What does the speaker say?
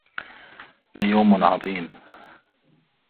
ليوم عظيم